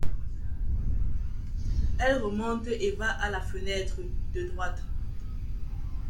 Elle remonte et va à la fenêtre de droite.